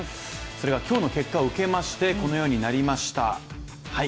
それが今日の結果を受けまして、このようになりました。